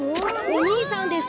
おにいさんです！